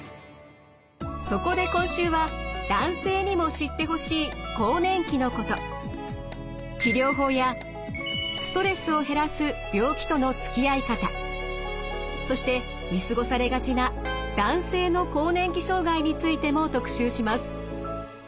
そこで今週は治療法やストレスを減らす病気とのつきあい方そして見過ごされがちな男性の更年期障害についても特集します。